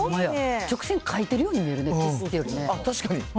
直線書いてるように見えるね。